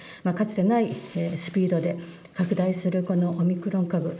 かつてないスピードで拡大するこのオミクロン株。